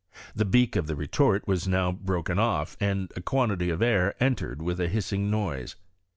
The beak of the retort was now broken off; and a quantity of air entered with a hissing noise.